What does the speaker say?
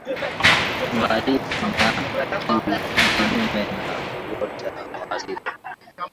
Ni uhalifu na ni kinyume na uoto wa asili